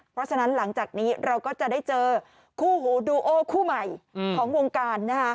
เพราะฉะนั้นหลังจากนี้เราก็จะได้เจอคู่หูดูโอคู่ใหม่ของวงการ